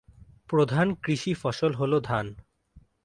প্রধান কৃষি ফসল হলো ধান।